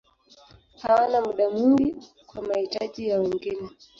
Hawana muda mwingi kwa mahitaji ya wengine.